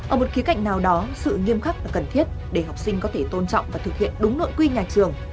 ở một khía cạnh nào đó sự nghiêm khắc là cần thiết để học sinh có thể tôn trọng và thực hiện đúng nội quy nhà trường